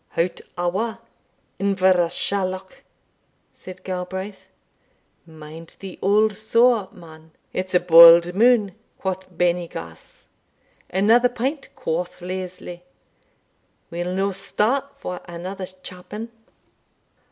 "Hout awa, Inverashalloch," said Galbraith; "Mind the auld saw, man It's a bauld moon, quoth Bennygask another pint, quoth Lesley; we'll no start for another chappin."